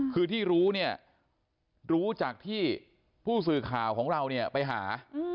คือที่รู้เนี่ยรู้จากที่ผู้สื่อข่าวของเราเนี่ยไปหา